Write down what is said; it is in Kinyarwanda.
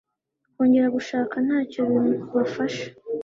kongera gushaka ntacyo bibafasha